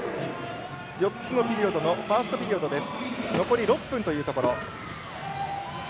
４つのピリオドのファーストピリオドです。